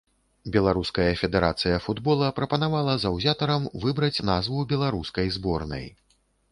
Беларуская федэрацыя футбола прапанавала заўзятарам выбраць назву беларускай зборнай.